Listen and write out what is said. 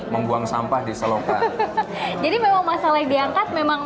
membuang sampah di selokan jadi memang masalah yang diangkat memang